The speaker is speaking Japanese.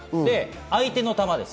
相手の球です。